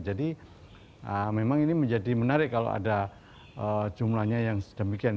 jadi memang ini menjadi menarik kalau ada jumlahnya yang sedemikian